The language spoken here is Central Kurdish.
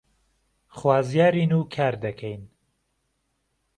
خوازیارین و کار دەکەین